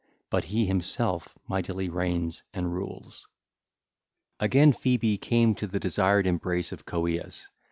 But he himself mightily reigns and rules. (ll. 404 452) Again, Phoebe came to the desired embrace of Coeus.